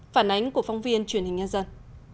phản ánh của phóng viên truyền hình nhân dân